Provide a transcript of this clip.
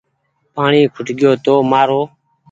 پآڻيٚ کٽگيو هيتومآرو